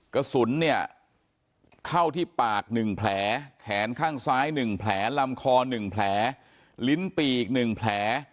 กระสุนเนี่ยเข้าที่ปาก๑แผลแขนข้างซ้าย๑แผลลำคอ๑แผลลิ้นปีก๑แผล